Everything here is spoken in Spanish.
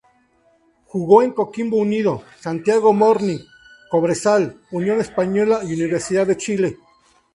Jugó en Coquimbo Unido, Santiago Morning, Cobresal, Unión Española y Universidad de Chile.